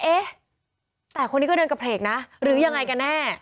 เอ๊ะแต่คนนี้ก็เดินกระเพลกนะหรือยังไงกันแน่